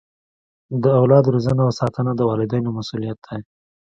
د اولاد روزنه او ساتنه د والدینو مسؤلیت دی.